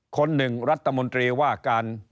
คนหนึ่งรัฐมนตรีว่าการ